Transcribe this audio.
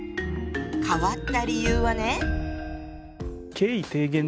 変わった理由はね。